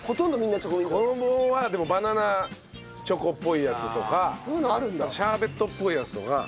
子供はでもバナナチョコっぽいやつとかシャーベットっぽいやつとか。